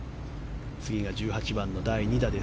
次が１８番の第２打。